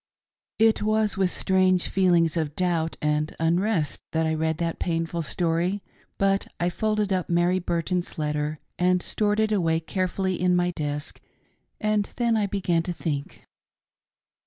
IT was with strange feelings of doubt and unrest that I read that painful story ; but I folded up Mary Burton's letter and stored it carefully away in my desk, and then I began to think.